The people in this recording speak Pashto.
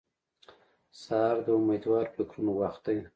سهار د امېدوار فکرونو وخت دی.